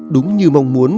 đúng như mong muốn